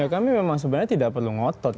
ya kami memang sebenarnya tidak perlu ngotot